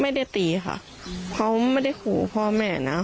ไม่ได้ตีค่ะเขาไม่ได้ขู่พ่อแม่นะ